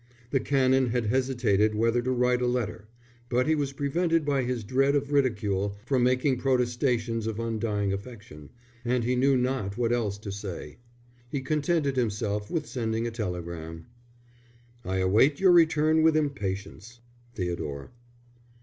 The Canon had hesitated whether to write a letter; but he was prevented by his dread of ridicule from making protestations of undying affection, and knew not what else to say. He contented himself with sending a telegram: I await your return with impatience. THEODORE.